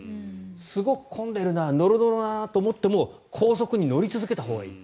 すごく混んでいるなノロノロだなと思っても高速に乗り続けたほうがいい。